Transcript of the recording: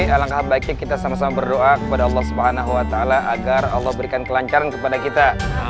alangkah baiknya kita sama sama berdoa kepada allah swt agar allah berikan kelancaran kepada kita